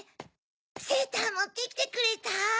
セーターもってきてくれた？